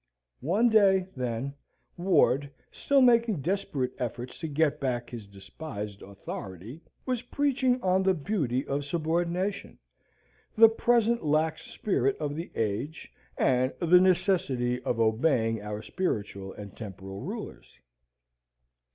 One day, then, Ward, still making desperate efforts to get back his despised authority, was preaching on the beauty of subordination, the present lax spirit of the age, and the necessity of obeying our spiritual and temporal rulers.